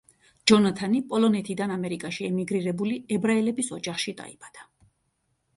ჯონათანი პოლონეთიდან ამერიკაში ემიგრირებული ებრაელების ოჯახში დაიბადა.